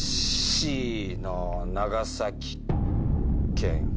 Ｃの長崎県。